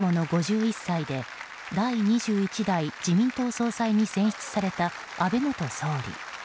２００６年史上最年少の５１歳で第２１代自民党総裁に選出された安倍元総理。